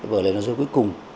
vở này nó rơi cuối cùng